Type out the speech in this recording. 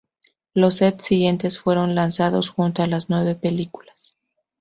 Los sets siguientes fueron lanzados junto a las nuevas películas.